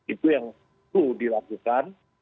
itu yang perlu dilakukan